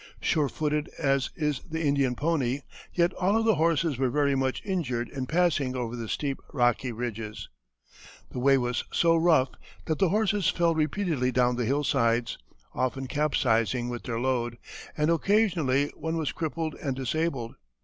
Sure footed as is the Indian pony, yet all of the horses were very much injured in passing over the steep rocky ridges. The way was so rough that the horses fell repeatedly down the hillsides, often capsizing with their load, and occasionally one was crippled and disabled.